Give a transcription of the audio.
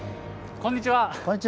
こんにちは。